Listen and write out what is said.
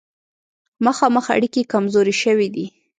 مخامخ اړیکې کمزورې شوې دي.